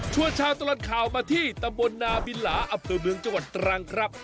ชาวตลอดข่าวมาที่ตำบลนาบินหลาอำเภอเมืองจังหวัดตรังครับ